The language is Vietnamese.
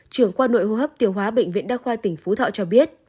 trưởng quan nội hô hấp tiểu hóa bệnh viện đa khoa tỉnh phú thọ cho biết